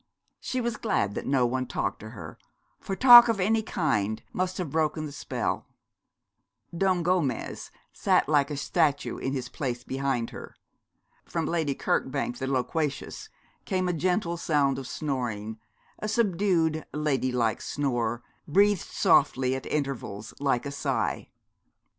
She was glad that no one talked to her, for talk of any kind must have broken the spell. Don Gomez sat like a statue in his place behind her. From Lady Kirkbank, the loquacious, came a gentle sound of snoring, a subdued, ladylike snore, breathed softly at intervals, like a sigh.